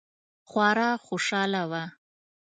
خورا خوشحاله وه.